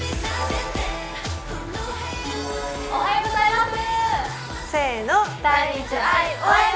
おはようございます。